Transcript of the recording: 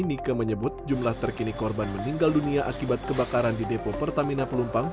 nike menyebut jumlah terkini korban meninggal dunia akibat kebakaran di depo pertamina pelumpang